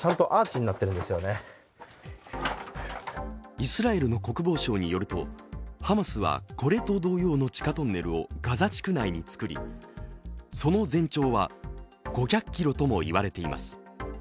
イスラエルの国防省によるとハマスはこれと同様の地下トンネルをガザ地区内に造りその全長は５００ｋｍとも言われています。